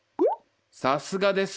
さすがです。